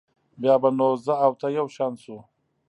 بیا به نو زه او ته یو شان شو.